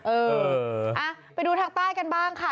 เออไปดูทางใต้กันบ้างค่ะ